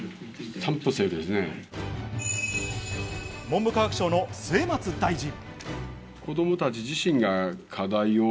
文部科学省の末松大臣。